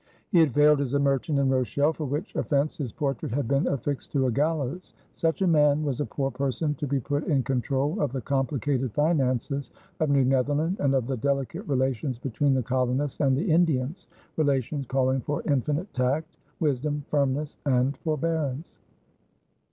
He had failed as a merchant in Rochelle, for which offense his portrait had been affixed to a gallows. Such a man was a poor person to be put in control of the complicated finances of New Netherland and of the delicate relations between the colonists and the Indians relations calling for infinite tact, wisdom, firmness, and forbearance.